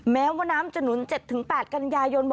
แม้ว่าน้ำจะหนุน๗๘กันยายน